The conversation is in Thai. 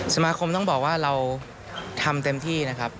สมาคมต้องบอกว่าเราทำเต็มที่นะครับ